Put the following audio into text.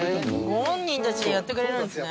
ご本人たちがやってくれるんですね。